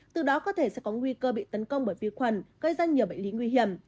từ đó có thể sẽ có nguy cơ bị tấn công bởi vi khuẩn gây ra nhiều bệnh lý nguy hiểm